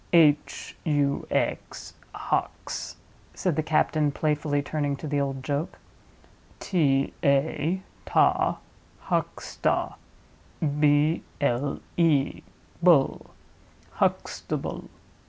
"H, U, X—Hux," said the captain, playfully turning to the old joke: "T, A—ta, Huxta; B, L, E—ble; Huxtable."